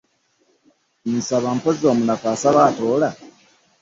Asaba omunafu mpozzi asaba atoola?